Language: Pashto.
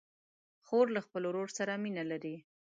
خور له خپل ورور سره مینه لري.